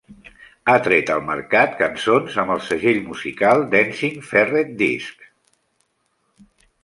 Ha tret al mercat cançons amb el segell musical Dancing Ferret Discs.